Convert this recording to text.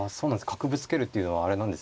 角ぶつけるっていうのはあれなんですね